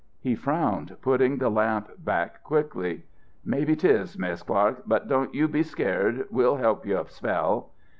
He frowned, putting the lamp back quickly. "Mebbe it is, Mis' Clark, but don't you be scared. We'll help you a spell."